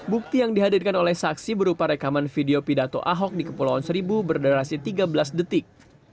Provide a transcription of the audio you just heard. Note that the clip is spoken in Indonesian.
bukti yang dihadirkan oleh saksi berupa rekaman video pidato ahok di kepulauan seribu berderasi tiga belas detik